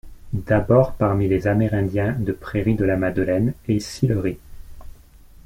D’abord parmi les Amérindiens de Prairie-de-la-Madeleine et Sillery.